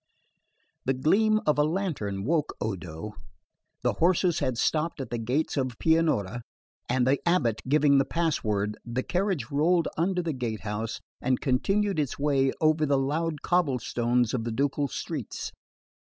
The gleam of a lantern woke Odo. The horses had stopped at the gates of Pianura, and the abate giving the pass word, the carriage rolled under the gatehouse and continued its way over the loud cobble stones of the ducal streets.